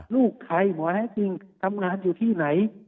ลูกใครหมอแท้จริงทำงานอยู่ที่ไหน